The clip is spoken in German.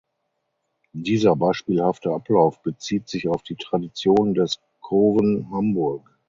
Dieser beispielhafte Ablauf bezieht sich auf die Traditionen des "Coven Hamburg".